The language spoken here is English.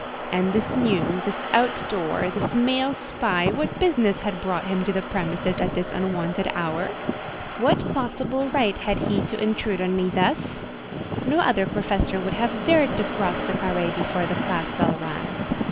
And this new, this out door, this male spy, what business had brought him to the premises at this unwonted hour? What possible right had he to intrude on me thus? No other professor would have dared to cross the carré before the class bell rang.